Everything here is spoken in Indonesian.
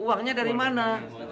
uangnya dari mana